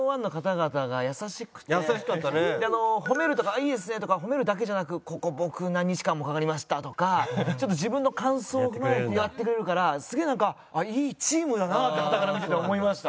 で「いいですね」とか褒めるだけじゃなく「ここ僕何日間もかかりました」とかちょっと自分の感想を踏まえてやってくれるからすげえなんかいいチームだな！！ってはたから見てて思いました。